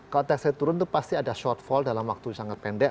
kalau tesnya turun itu pasti ada shortfall dalam waktu yang sangat pendek